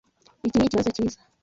Iki nikibazo cyiza.